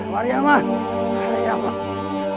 mari aman mari aman